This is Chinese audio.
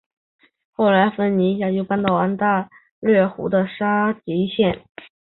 后来芬尼一家又搬到安大略湖的沙吉港。